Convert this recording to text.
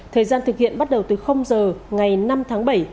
thời gian thực hiện bắt đầu từ giờ ngày năm tháng bảy